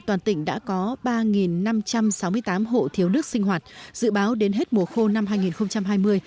toàn tỉnh đã có ba năm trăm sáu mươi tám hộ thiếu nước sinh hoạt dự báo đến hết mùa khô năm hai nghìn hai mươi